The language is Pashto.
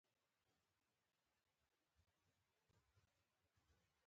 معنا یا ذهني نومونه لکه ویاړ، وقار، زړورتیا یا نمانځل.